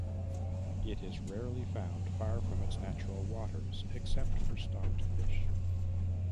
It is rarely found far from its natural waters except for stocked fish.